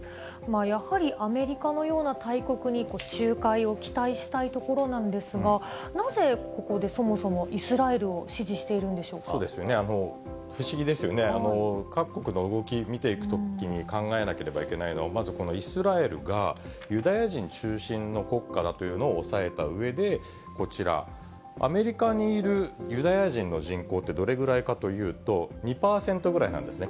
やはりアメリカのような大国に仲介を期待したいところなんですが、なぜここで、そもそもイスラエルを支持しているんでしょうそうですよね、不思議ですよね、各国の動き、見ていくときに考えなければいけないのは、まずこのイスラエルがユダヤ人中心の国家だというのをおさえたうえで、こちら、アメリカにいるユダヤ人の人口ってどれぐらいかというと、２％ぐらいなんですね。